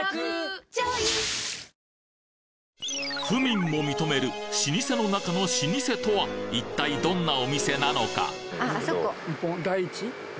府民も認める老舗の中の老舗とは一体どんなお店なのか？